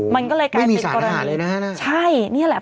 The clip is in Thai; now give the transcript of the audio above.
มันก็เลยไม่มีสารหาเลยนะฮะใช่เนี้ยแหละ